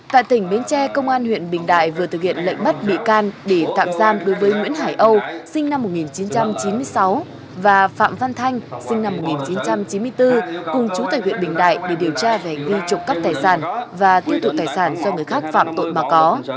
tại tỉnh bến tre công an huyện bình đại vừa thực hiện lệnh bắt bị can để tạm giam đối với nguyễn hải âu sinh năm một nghìn chín trăm chín mươi sáu và phạm văn thanh sinh năm một nghìn chín trăm chín mươi bốn cùng chú tài huyện bình đại để điều tra về hành vi trộm cắp tài sản và tiêu thụ tài sản do người khác phạm tội mà có